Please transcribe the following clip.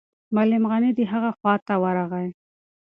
معلم غني د هغه خواته ورغی.